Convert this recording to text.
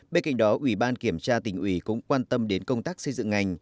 bên cạnh đó ủy ban kiểm tra tỉnh ủy cũng quan tâm đến công tác xây dựng ngành